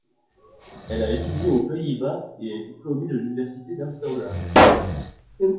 Elle a étudié aux Pays-Bas et est diplômée de l’université d'Amsterdam.